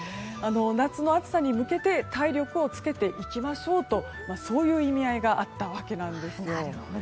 夏の暑さに向けて体力をつけていきましょうとそういう意味合いがあったわけです。